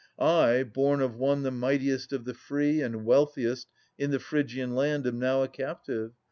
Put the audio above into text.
I, born of one the mightiest of the free And wealthiest in the Phrygian land, am now A captive.